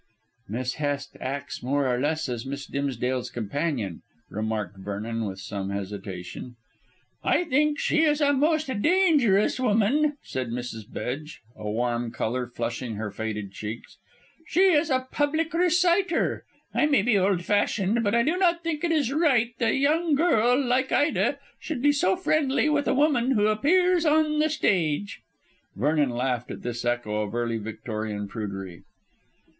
"Miss Hest acts more or less as Miss Dimsdale's companion," remarked Vernon with some hesitation. "I think she is a most dangerous woman," said Mrs. Bedge, a warm colour flushing her faded cheeks; "she is a public reciter. I may be old fashioned, but I do not think it is right that a young girl like Ida should be so friendly with a woman who appears on the stage." Vernon laughed at this echo of early Victorian prudery.